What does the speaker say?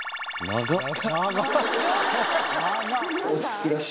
長っ！